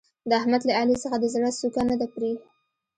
د احمد له علي څخه د زړه څوکه نه ده پرې.